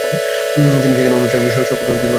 তিনি সেখানে অনুষ্ঠানের সপক্ষে বক্তৃতা করেন।